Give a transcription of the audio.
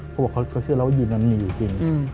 เขาบอกเขาเชื่อแล้วว่ายีนนั้นมีอยู่จริง